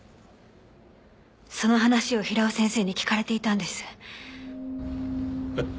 その話を平尾先生に聞かれていたんです。